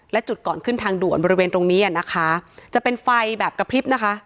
และจุดก่อนขึ้นทางด่วนบริเวณตรงนี้อ่ะนะคะจะเป็นไฟแบบกระพริบนะคะ